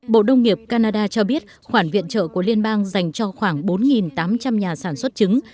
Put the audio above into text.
bộ đông nghiệp canada cho biết khoản viện trợ của liên bang dành cho khoảng bốn tám trăm linh nhà sản xuất trứng